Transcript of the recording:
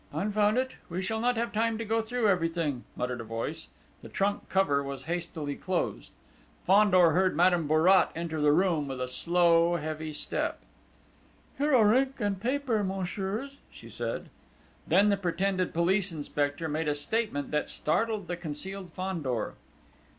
"Confound it! We shall not have time to go through everything!" muttered a voice. The trunk cover was hastily closed. Fandor heard Madame Bourrat enter the room with slow, heavy step. "Here are ink and paper, messieurs!" she said. Then the pretended police inspector made a statement that startled the concealed Fandor.